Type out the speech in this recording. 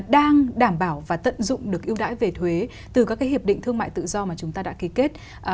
đang đảm bảo và tận dụng được ưu đãi về thuế từ các hiệp định thương mại tự do mà chúng ta đã ký kết